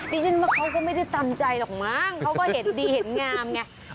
นี่ฉันว่าเค้าก็ไม่ได้ตามใจหรอกมั้งเค้าก็ดีเห็นงามไง